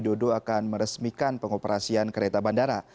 kereta bandara soekarno hatta akan meresmikan pengoperasian kereta bandara